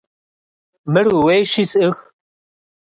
Мыр ууейщи, сӏых.